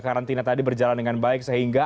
karantina tadi berjalan dengan baik sehingga